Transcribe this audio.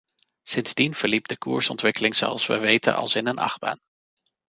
Sindsdien verliep de koersontwikkeling zoals we weten als in een achtbaan.